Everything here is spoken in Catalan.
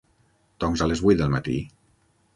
Doncs a les vuit del matí.